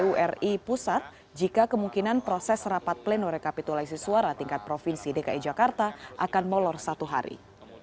kpu ri pusat jika kemungkinan proses rapat pleno rekapitulasi suara tingkat provinsi dki jakarta akan molor satu hari